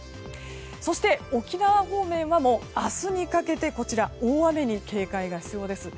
そして沖縄方面は明日にかけて大雨に警戒が必要です。